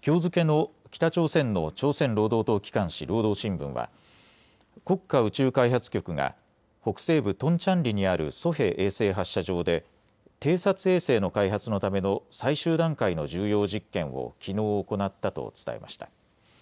きょう付けの北朝鮮の朝鮮労働党機関紙、労働新聞は国家宇宙開発局が北西部トンチャンリにあるソヘ衛星発射場で偵察衛星の開発のための最終段階の重要実験をきのう行ったと伝えました。